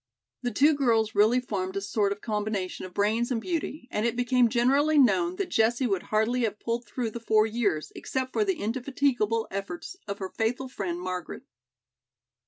The two girls really formed a sort of combination of brains and beauty, and it became generally known that Jessie would hardly have pulled through the four years, except for the indefatigable efforts of her faithful friend, Margaret.